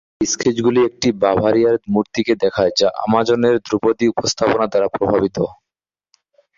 এই স্কেচগুলি একটি বাভারিয়ার মূর্তিকে দেখায় যা আমাজনের ধ্রুপদী উপস্থাপনা দ্বারা প্রভাবিত।